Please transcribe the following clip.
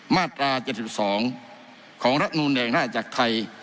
มาตรา๗๒ของรัฐนูลแห่งราชจักรไทย